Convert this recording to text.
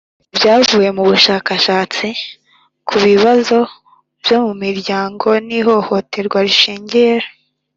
Ibyavuye mu bushakashatsi ku bibazo byo mu miryango n ihohoterwa rishingiye